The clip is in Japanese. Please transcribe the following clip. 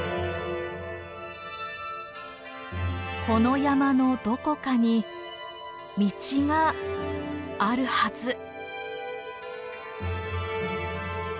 この山のどこかに道があるはず。